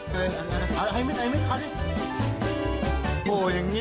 เข้าได้มั้ยเอาได้มั้ย